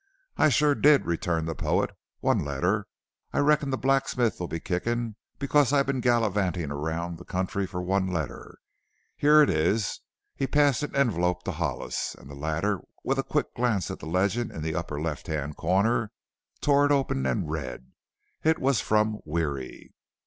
"I sure did," returned the poet, "one letter. I reckon the blacksmith'll be kickin' because I've been galivantin' around the country for one letter. Here it is." He passed an envelope to Hollis, and the latter, with a quick glance at the legend in the upper left hand corner, tore it open and read. It was from Weary.